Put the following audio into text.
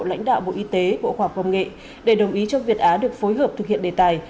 lãnh đạo bộ y tế bộ khoa học công nghệ để đồng ý cho việt á được phối hợp thực hiện đề tài